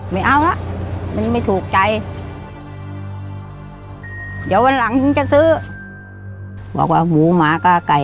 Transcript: ไม่เอาแล้วมันไม่ถูกใจ